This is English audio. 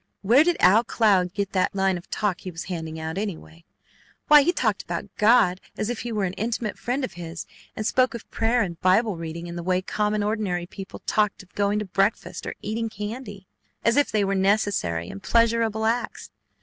Where did Al Cloud get that line of talk he was handing out, anyway? Why, he talked about God as if He were an intimate friend of his, and spoke of prayer and Bible reading in the way common, ordinary people talked of going to breakfast or eating candy, as if they were necessary and pleasurable acts.